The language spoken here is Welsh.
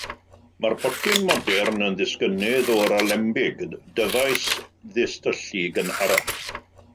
Mae'r potyn modern yn ddisgynnydd o'r alembig, dyfais ddistyllu gynharach.